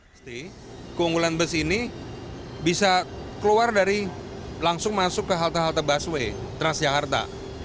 pasti keunggulan bus ini bisa keluar dari langsung masuk ke halte halte busway transjakarta